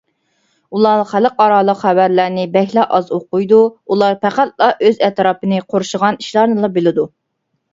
ئۇلار خەلقئارالىق خەۋەرلەرنى بەكلا ئاز ئوقۇيدۇ ئۇلار پەقەتلا ئۆز ئەتراپىنى قورشىغان ئىشلارنىلا بىلىدۇ.